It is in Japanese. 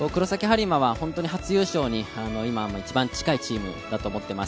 本当に初優勝に一番近いチームだと思っています。